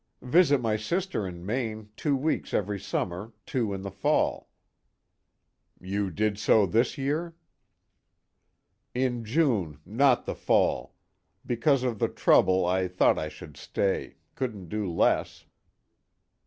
"Visit my sister in Maine two weeks every summer, two in the fall." "You did so this year?" "In June, not the fall. Because of the trouble, I thought I should stay, couldn't do less."